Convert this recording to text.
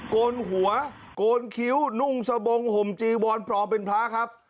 โกนหัวโกนคิ้วนุ่งสะบงห่มจีวอนปลอมเป็นพระครับ